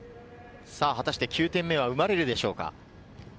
果たして９点目は生まれるでしょうか。